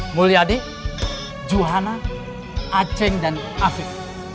mulia d juhana aceh dan afik